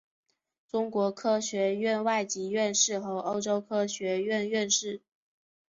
中国科学院外籍院士和欧洲科学院院士。